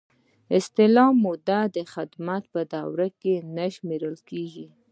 د استعفا موده د خدمت په دوره کې نه شمیرل کیږي.